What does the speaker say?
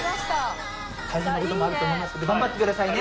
大変なこともあると思いますけど頑張ってくださいね。